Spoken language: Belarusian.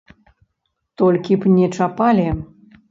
Толькі б не чапалі.